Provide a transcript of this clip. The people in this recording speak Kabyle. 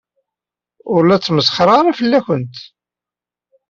Ur la smesxireɣ ara fell-awent.